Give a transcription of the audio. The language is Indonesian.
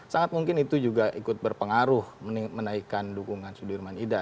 sangat mungkin itu juga ikut berpengaruh menaikkan dukungan sudirman ida